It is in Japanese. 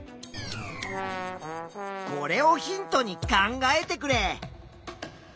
これをヒントに考えてくれ。